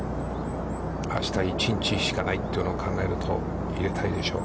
あした１日しかないということを考えると入れたいでしょう。